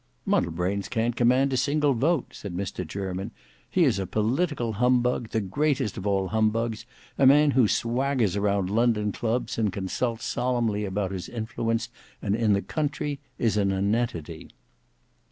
"Muddlebrains can't command a single vote," said Mr Jermyn. "He is a political humbug, the greatest of all humbugs; a man who swaggers about London clubs and consults solemnly about his influence, and in the country is a nonentity."